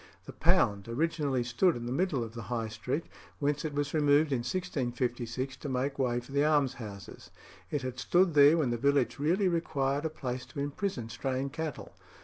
The Pound originally stood in the middle of the High Street, whence it was removed in 1656 to make way for the almshouses. It had stood there when the village really required a place to imprison straying cattle.